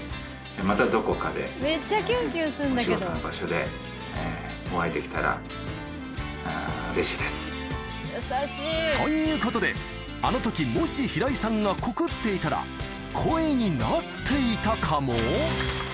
またどこかで、お仕事の場所でおということで、あのとき、もし平井さんが告っていたら恋になっていたかも？